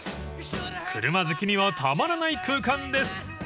［車好きにはたまらない空間です］